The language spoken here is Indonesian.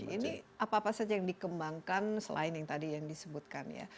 ini apa apa saja yang dikembangkan selain yang tadi yang disebutkan ya